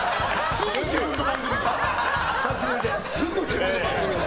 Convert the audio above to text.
すぐ自分の番組にする！